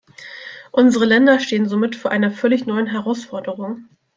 Unsere Länder stehen somit vor einer völlig neuen Herausforderung.